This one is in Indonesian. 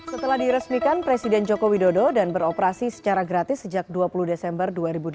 setelah diresmikan presiden joko widodo dan beroperasi secara gratis sejak dua puluh desember dua ribu delapan belas